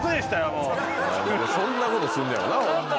何でそんなことすんねやろなホンマ。